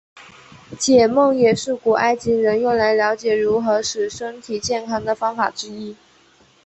解梦也是古埃及人用来瞭解如何使身体健康的方法之一。